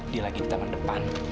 dia lagi di taman depan